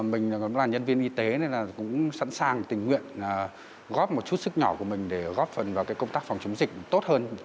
mình cũng là nhân viên y tế nên là cũng sẵn sàng tình nguyện góp một chút sức nhỏ của mình để góp phần vào công tác phòng chống dịch tốt hơn